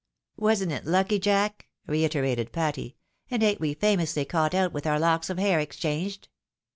" Wasn't it lucky. Jack? " reiterated Patty, " and ain't we famously caught out with our looks of hair exchanged?